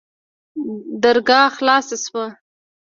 درګاه خلاصه سوه.